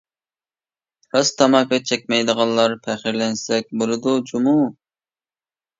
راست تاماكا چەكمەيدىغانلار پەخىرلەنسەك بولىدۇ جۇمۇ.